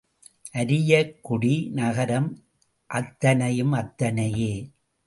அரியக்குடி நகரம் அத்தனையும் அத்தனையே.